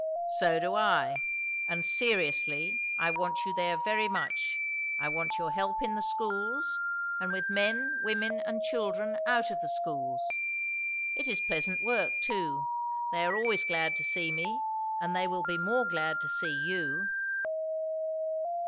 "So do I. And seriously, I want you there very much. I want your help in the schools, and with men, women and children out of the schools. It is pleasant work too. They are always glad to see me; and they will be more glad to see you."